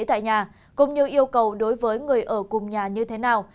tại nhà cũng như yêu cầu đối với người ở cùng nhà như thế nào